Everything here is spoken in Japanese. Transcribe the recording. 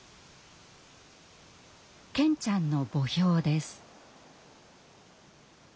健ちゃんの墓標です。